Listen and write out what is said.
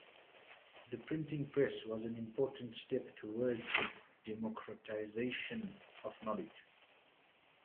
The printing press was an important step towards the democratization of knowledge.